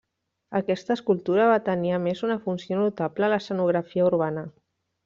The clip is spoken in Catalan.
Aquesta escultura va tenir a més una funció notable a l'escenografia urbana.